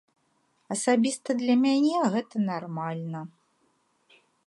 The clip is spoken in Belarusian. Асабіста для мяне гэта нармальна.